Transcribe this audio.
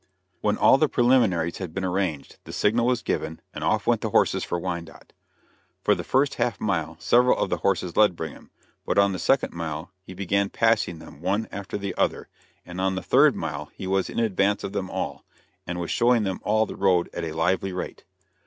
When all the preliminaries had been arranged, the signal was given, and off went the horses for Wyandotte. For the first half mile several of the horses led Brigham, but on the second mile he began passing them one after the other, and on the third mile he was in advance of them all, and was showing them all the road at a lively rate.